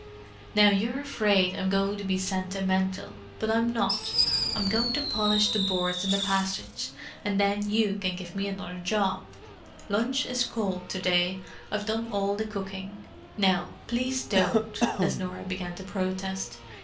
"Now you're afraid I'm going to be sentimental, but I'm not. I'm going to polish the boards in the passage, and then you can give me another job. Lunch is cold to day: I've done all the cooking. Now, please don't—" as Norah began to protest.